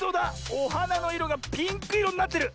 おはなのいろがピンクいろになってる！